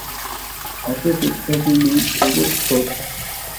აგრეთვე ცნობილი როგორც დოტი.